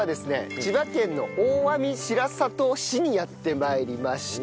千葉県の大網白里市にやって参りました。